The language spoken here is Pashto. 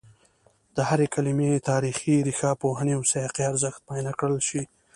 د هرې کلمې تاریخي، ریښه پوهني او سیاقي ارزښت معاینه کړل شي